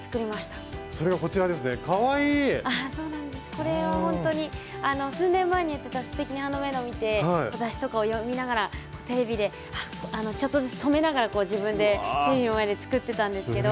これはほんとに数年前にやってた「すてきにハンドメイド」を見て雑誌とかを読みながらテレビでちょっとずつ止めながら自分でテレビの前で作ってたんですけど。